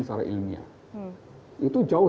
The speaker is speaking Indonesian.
secara ilmiah itu jauh